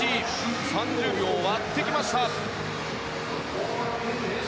３０秒を割ってきました。